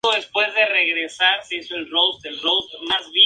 Luis X permitió a sus hijos tomar posesión de la herencia de su padre.